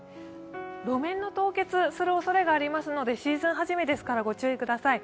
路面の凍結するおそれがありますので、シーズン初めですからご注意ください。